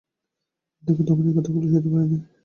দেখো, তোমার এই কথাগুলো সইতে পারি নে।